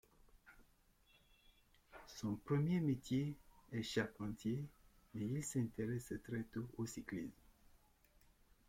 Son premier métier est charpentier, mais il s'intéresse très tôt au cyclisme.